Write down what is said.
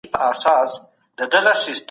موږ يې سم نه کاروو.